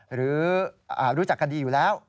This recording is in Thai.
หรือรู้จักกันดีอยู่แล้ว